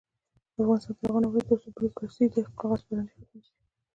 افغانستان تر هغو نه ابادیږي، ترڅو بیروکراسي او کاغذ پراني ختمه نشي.